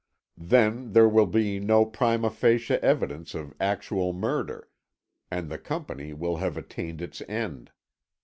Then there will be no prima facie evidence of actual murder, and the Company will have attained its end.